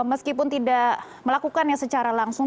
meskipun tidak melakukannya secara langsung